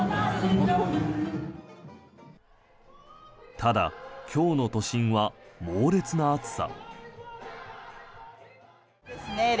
ただ、今日の都心は猛烈な暑さ。